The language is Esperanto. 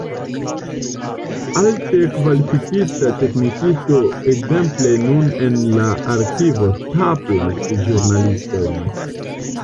Alte kvalifikita teknikisto ekzemple nun en la arkivo staplas ĵurnalojn.